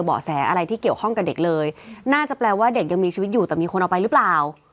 เบาะแสอะไรที่เกี่ยวข้องกับเด็กเลยน่าจะแปลว่าเด็กยังมีชีวิตอยู่แต่มีคนเอาไปหรือเปล่า